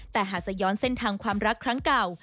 แต่หากจะย้อนเส้นทางความรักครั้งเก่า